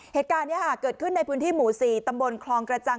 เหตุการณ์นี้เกิดขึ้นในพื้นที่หมู่๔ตำบลคลองกระจัง